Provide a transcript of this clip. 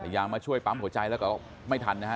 ยางมาช่วยปั๊มหัวใจแล้วก็ไม่ทันนะฮะ